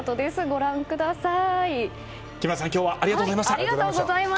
ご覧ください。